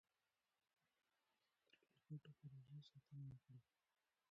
د ټولګټو پروژو ساتنه وکړئ.